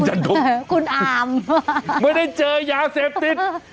อย่าดมไม่ได้เจอยาเสพติด